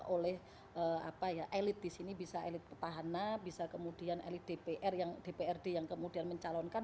oleh elit di sini bisa elit petahana bisa kemudian elit dprd yang kemudian mencalonkan